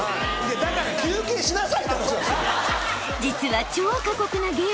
だから休憩しなさいって話なんですよ。